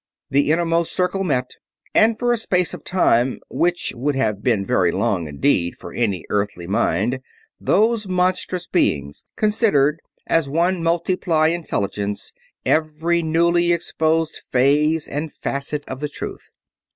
The Innermost Circle met, and for a space of time which would have been very long indeed for any Earthly mind those monstrous being considered as one multi ply intelligence every newly exposed phase and facet of the truth.